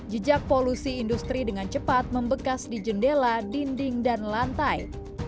sejak tahun dua ribu tujuh belas sundari mengaku kerap mengalami sesak napas